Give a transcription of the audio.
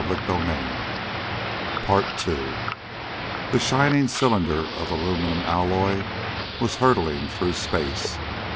The shining cylinder of aluminum alloy was hurtling through space.